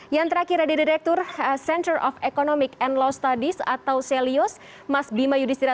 yang terakhir ada direktur center of economic and law studies atau celius mas bima yudhistira